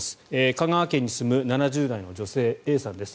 香川県に住む７０代の女性Ａさんです。